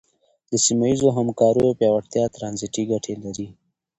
د سیمه ییزو همکاریو پیاوړتیا ترانزیټي ګټې لري.